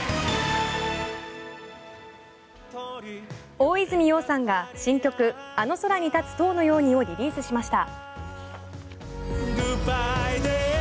大泉洋さんが新曲「あの空に立つ塔のように」をリリースしました。